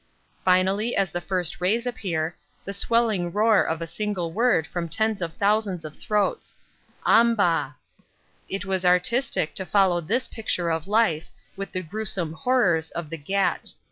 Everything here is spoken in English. Finally, as the first rays appear, the swelling roar of a single word from tens of thousands of throats: 'Ambah!' It was artistic to follow this picture of life with the gruesome horrors of the ghat.